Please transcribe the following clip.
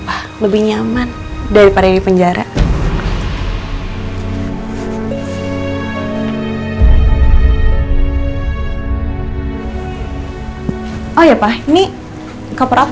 pak lebih nyaman daripada penjara oh ya pak ini koper apa